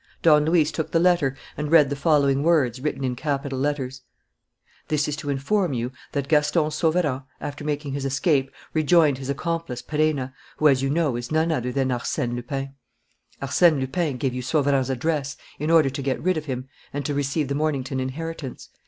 Don Luis took the letter and read the following words, written in capital letters: This is to inform you that Gaston Sauverand, after making his escape, rejoined his accomplice Perenna, who, as you know, is none other than Arsène Lupin. Arsène Lupin gave you Sauverand's address in order to get rid of him and to receive the Mornington inheritance.